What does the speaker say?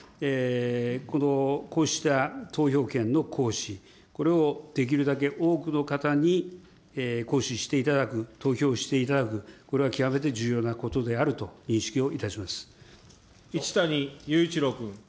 このこうした投票権の行使、これをできるだけ多くの方に行使していただく、投票していただく、これは極めて重要なことであると認識をいたし一谷勇一郎君。